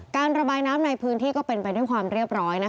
ระบายน้ำในพื้นที่ก็เป็นไปด้วยความเรียบร้อย